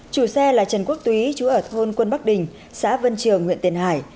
chủ xe là trần quốc túy chú ở thôn quân bắc đình xã vân trường huyện tiền hải